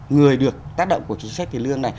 người được tác động của chính sách tiền lương này